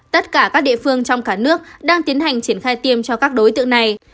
tất cả các địa phương trong cả nước đang tiến hành triển khai tiêm cho các đối tượng này